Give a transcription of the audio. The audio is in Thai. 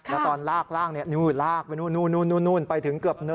ในตอนลากนี่ตอนลากไปนู่นไปถึงเกือบเนอร์น